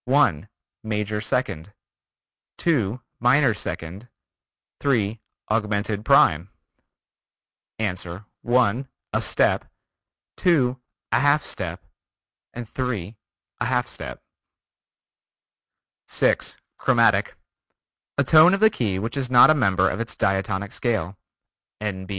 (1) Major second, (2) minor second, (3) augmented prime. Answer: (1) a step, (2) a half step, (3) a half step. 6. Chromatic: A tone of the key which is not a member of its diatonic scale. (N.